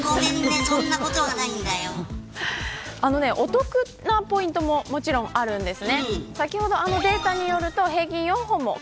お得なポイントももちろんあります。